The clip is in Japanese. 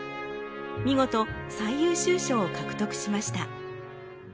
見事最優秀賞を獲得しました。